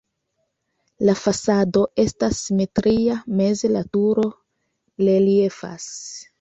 La fasado estas simetria, meze la turo reliefas.